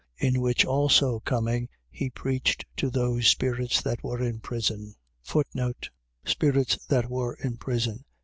In which also coming he preached to those spirits that were in prison: Spirits that were in prison.